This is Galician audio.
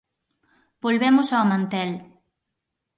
Volvemos ao mantel.